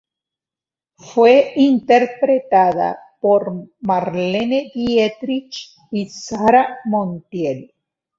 Fue interpretada por Marlene Dietrich y Sara Montiel.